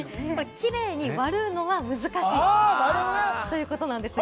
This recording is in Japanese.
キレイに割るのは難しいということなんですよ。